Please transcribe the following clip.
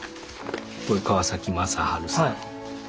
これ川正治さん。